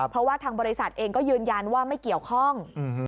เพราะว่าทางบริษัทเองก็ยืนยันว่าไม่เกี่ยวข้อง